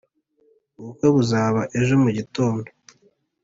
ubukwe buzaba ejo mu gitondo